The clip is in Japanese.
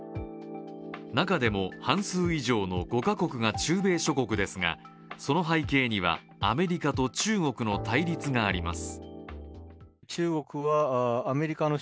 中でも半数以上の５か国が中米諸国ですが、その背景にはアメリカと中国の対立があります。